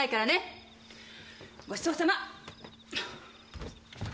ごちそうさま。